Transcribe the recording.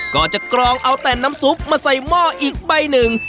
กรองเอาแต่น้ำซุปมาใส่หม้ออีกใบหนึ่ง